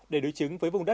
để đối chứng với vùng đất